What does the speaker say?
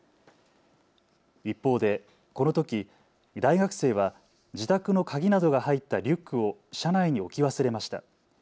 一方でこのとき大学生は自宅の鍵などが入ったリュックを車内に置き忘れました。